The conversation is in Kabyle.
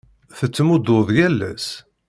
Tettɛummuḍ yal ass?